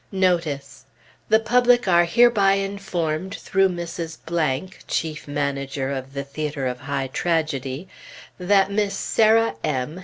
"Notice: The public are hereby informed through Mrs. , Chief Manager of the Theatre of High Tragedy, that Miss Sarah M.